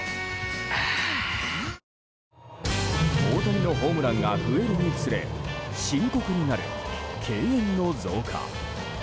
あぁ大谷のホームランが増えるにつれ深刻になる敬遠の増加。